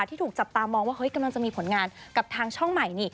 ที่ถูกจับตามองว่าเฮ้ยกำลังจะมีผลงานกับทางช่องใหม่นี่